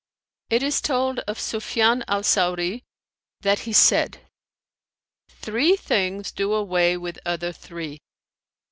"It is told of Sufyαn al Saurν[FN#338] that he said, 'Three things do away with other three.